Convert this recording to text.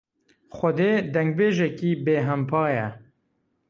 Xwedê dengbêjekî bêhempa ye.